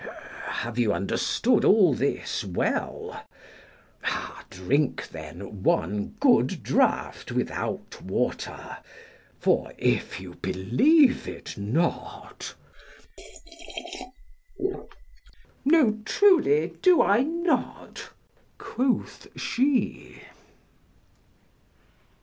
Have you understood all this well? Drink then one good draught without water, for if you believe it not, no truly do I not, quoth she.